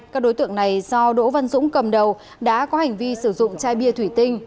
các đối tượng này do đỗ văn dũng cầm đầu đã có hành vi sử dụng chai bia thủy tinh